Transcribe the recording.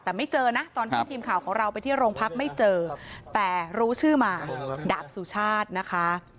แต่ไม่เจอนะตอนที่ทีมข่าวของเราไปที่โรงพักไม่เจอแต่รู้ชื่อมาดาบสุชาตินะคะ